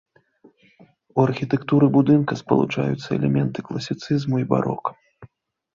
У архітэктуры будынка спалучаюцца элементы класіцызму і барока.